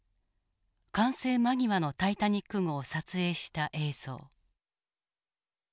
完成間際のタイタニック号を撮影した映像。